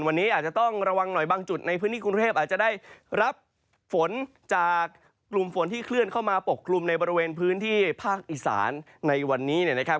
วันนี้อาจจะต้องระวังหน่อยบางจุดในพื้นที่กรุงเทพอาจจะได้รับฝนจากกลุ่มฝนที่เคลื่อนเข้ามาปกคลุมในบริเวณพื้นที่ภาคอีสานในวันนี้เนี่ยนะครับ